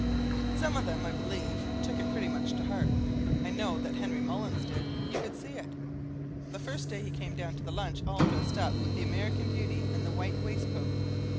Some of them, I believe, took it pretty much to heart. I know that Henry Mullins did. You could see it. The first day he came down to the lunch, all dressed up with the American Beauty and the white waistcoat.